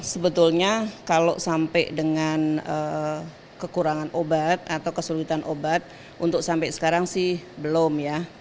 sebetulnya kalau sampai dengan kekurangan obat atau kesulitan obat untuk sampai sekarang sih belum ya